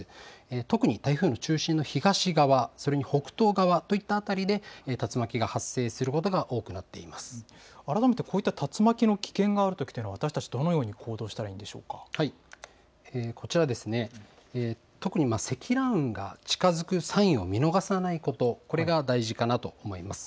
特に台風の中心の東側、それに北東側といった辺りで、竜巻が発生改めてこういった竜巻の危険があるときというのは、私たち、どのように行動したらいいんでしこちらですね、特に積乱雲が近づくサインを見逃さないこと、これが大事かなと思います。